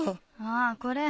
あぁこれ？